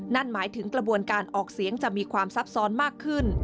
นั่นหมายถึงกระบวนการออกเสียงจะมีความซับซ้อนมากขึ้น